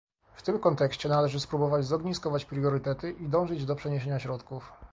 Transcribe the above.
W tym kontekście należy spróbować zogniskować priorytety i dążyć do przeniesienia środków